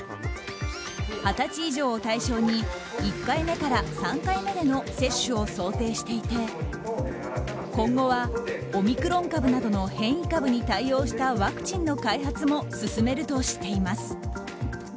二十歳以上を対象に１回目から３回目の接種を想定していて今後はオミクロン株などの変異株に対応したワクチンの開発も進めるとしています。